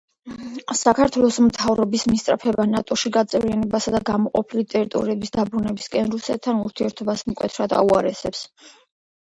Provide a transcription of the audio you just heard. საქართველოს მთავრობის მისწრაფება ნატოში გაწევრიანებასა და გამოყოფილი ტერიტორიების დაბრუნებისკენ რუსეთთან ურთიერთობას მკვეთრად აუარესებს.